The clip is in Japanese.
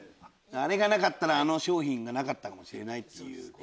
あれがなかったらなかったかもしれないっていう。